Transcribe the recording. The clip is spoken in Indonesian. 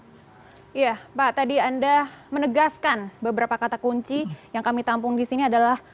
iya pak tadi anda menegaskan beberapa kata kunci yang kami tampung di sini adalah